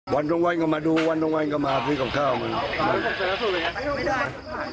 วันตรงวันก็มาดูวันตรงวันก็มาซื้อของข้าวมัน